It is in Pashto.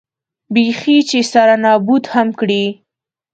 بېخي چې سره نابود هم کړي.